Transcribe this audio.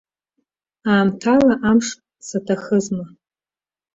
Аамҭала амш саҭахызма?